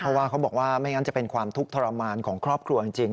เพราะว่าเขาบอกว่าไม่งั้นจะเป็นความทุกข์ทรมานของครอบครัวจริง